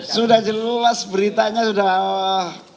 sudah jelas beritanya sudah